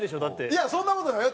いやそんな事ないよ。